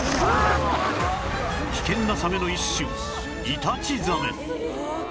危険なサメの一種イタチザメ